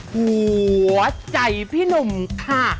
หัวใจพี่หนุ่มค่ะ